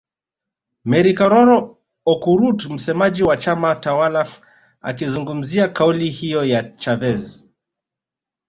Mary Karoro Okurut msemaji wa chama tawala akizungumzia kauli hiyo ya Chavez